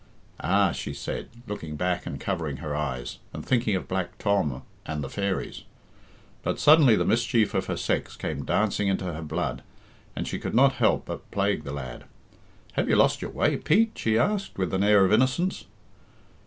"Ah!" she said, looking back and covering her eyes, and thinking of Black Tom and the fairies. But suddenly the mischief of her sex came dancing into her blood, and she could not help but plague the lad. "Have you lost your way, Pete?" she asked, with an air of innocence.